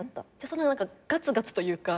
そんな何かガツガツというか。